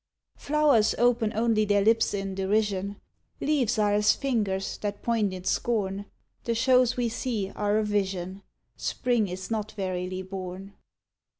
Flowers open only their lips in derision, Leaves are as fingers that point in scorn The shows we see are a vision; Spring is not verily born.